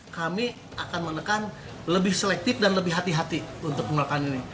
kami akan menekan lebih selektif dan lebih hati hati untuk melakukan ini